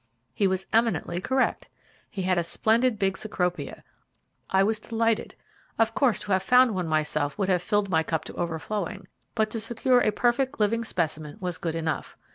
He was eminently correct. He had a splendid big Cecropia. I was delighted. Of course to have found one myself would have filled my cup to overflowing, but to secure a perfect, living specimen was good enough.